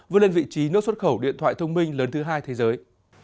vượt lên vị trí nốt xuất khẩu điện thoại thông minh lớn thứ hai thế giới